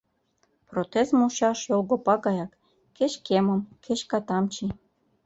Протез мучаш йолгопа гаяк, кеч кемым, кеч катам чий.